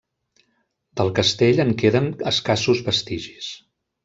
Del castell en queden escassos vestigis.